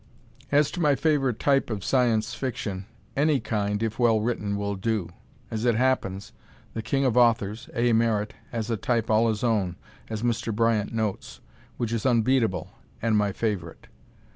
As to my favorite type of Science Fiction, any kind, if well written, will do. As it happens, the king of authors, A. Merritt, has a type all his own, as Mr. Bryant notes, which is unbeatable, and my favorite.